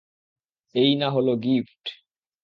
এই না হলো গিফট!